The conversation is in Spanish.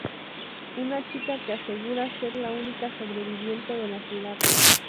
Una chica que asegura ser la única sobreviviente de la ciudad.